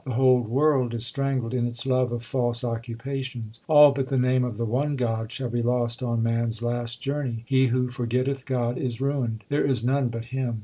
The whole world is strangled in its love of false occupa tions. All but the name of the one God shall be lost on man s last journey. He who forgetteth God is ruined ; there is none but Him.